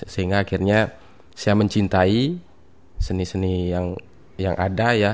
sehingga akhirnya saya mencintai seni seni yang ada ya